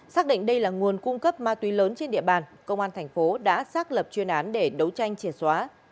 xác định đây là nguồn cung cấp ma túy lớn trên địa bàn công an tp đã xác lập chuyên án để đấu tranh triển xóa